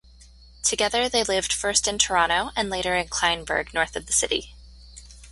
Together they lived first in Toronto and later in Kleinburg north of the city.